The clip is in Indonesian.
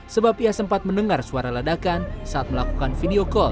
sebab ia sempat mendengar suara ledakan saat melakukan video call